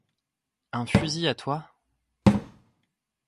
Un fusil à toi!